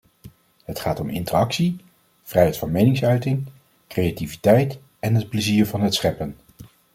Het gaat om interactie, vrijheid van meningsuiting, creativiteit en het plezier van het scheppen.